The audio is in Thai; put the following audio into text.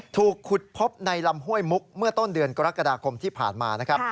ถูกขุดพบในลำห้วยมุกเมื่อต้นเดือนกรกฎาคมที่ผ่านมานะครับ